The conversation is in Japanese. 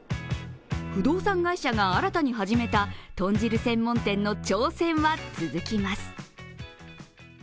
不動産会社が新たに始めた豚汁専門店の挑戦は続きます。